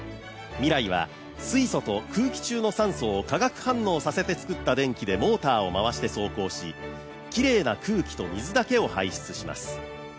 ＭＩＲＡＩは水素と空気中の酸素を化学反応させて作った電気でモーターを回して走行し、きれいな空気と水だけを排出します。